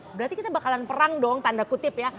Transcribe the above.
berarti kita bakalan perang dong tanda kutip ya